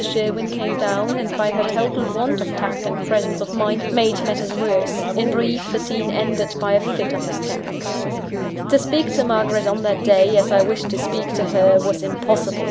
Sherwin came down; and by her total want of tact and presence of mind, made matters worse. In brief, the scene ended by a fit of hysterics. To speak to Margaret on that day, as I wished to speak to her, was impossible.